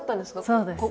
そうです。